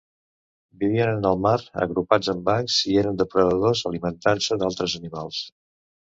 Vivien en el mar, agrupats en bancs i eren depredadors, alimentant-se d'altres animals.